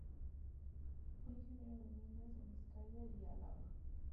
Fue ingeniero de minas en Vizcaya y Álava.